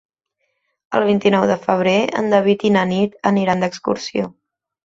El vint-i-nou de febrer en David i na Nit aniran d'excursió.